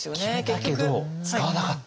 決めたけど使わなかった。